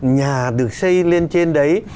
nhà được xây lên trên đấy